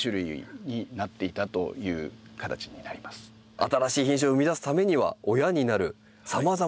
新しい品種を生み出すためには親になるさまざまな品種が必要。